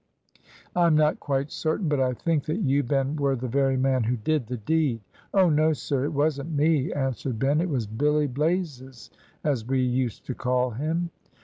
"I am not quite certain, but I think that you, Ben, were the very man who did the deed." "Oh no, sir, it wasn't me," answered Ben; "it was Billy Blazes, as we used to call him."